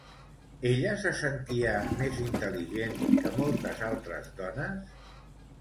Ella se sentia més intel·ligent que moltes altres dones?